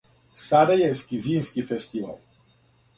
Сарајевски зимски фестивал.